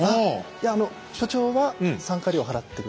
いやあの所長は参加料払って下さい。